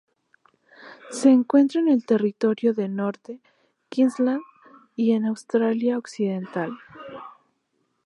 Se encuentra en el Territorio de Norte, Queensland y en Australia-Occidental.